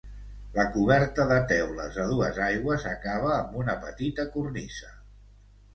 La coberta de teules a dues aigües acaba amb una petita cornisa.